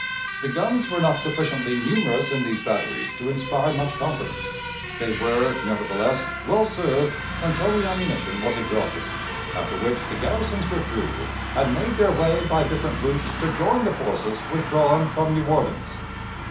The guns were not sufficiently numerous in these batteries to inspire much confidence; they were nevertheless well served until the ammunition was exhausted, after which the garrisons withdrew, and made their way by different routes to join the forces withdrawn from New Orleans.